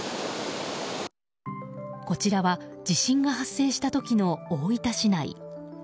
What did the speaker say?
こちらは地震が発生した時の大分市内。